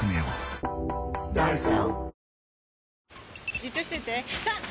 じっとしてて３！